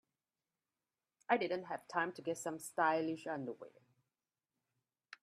I didn't have time to get some stylish underwear.